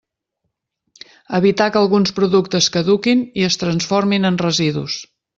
Evitar que alguns productes caduquin i es transformin en residus.